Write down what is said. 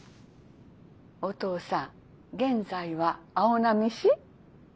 おとうさん現在は青波市？」。